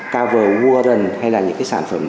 cover wooden hay là những cái sản phẩm